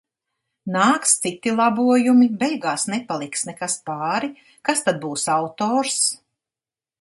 Nāks citi labojumi, beigās nepaliks nekas pāri, kas tad būs autors?